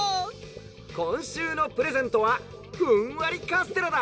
「こんしゅうのプレゼントはふんわりカステラだ。